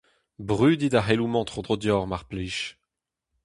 Brudit ar c'heloù-mañ tro-dro deoc'h mar plij.